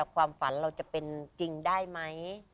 ความฝันเราจะเป็นจริงได้ไหม